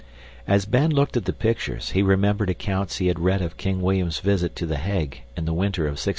As Ben looked at the pictures he remembered accounts he had read of King William's visit to The Hague in the winter of 1691.